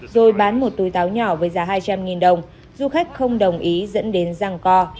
rồi bán một túi táo nhỏ với giá hai trăm linh đồng du khách không đồng ý dẫn đến răng co